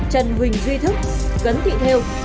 trần huỳnh duy thức cấn thị thêu